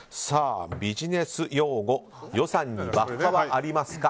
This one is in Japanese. ビジネス用語予算にバッファはありますか？